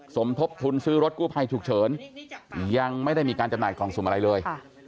สมทบทุนซื้อรถกู้ภัยฉุกเฉินยังไม่ได้มีการจำหน่ายกล่องสุ่มอะไรเลย